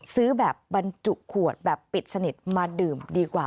ซื้อแบบบรรจุขวดแบบปิดสนิทมาดื่มดีกว่า